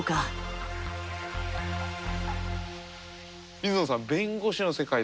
水野さん